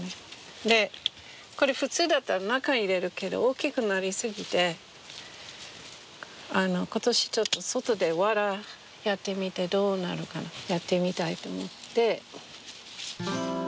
でこれ普通だったら中に入れるけど大きくなりすぎて今年は外で藁やってみてどうなるかやってみたいと思って。